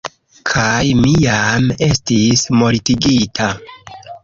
Kaj mi jam estis mortigita.